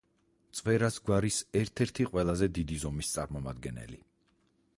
წვერას გვარის ერთ-ერთი ყველაზე დიდი ზომის წარმომადგენელი.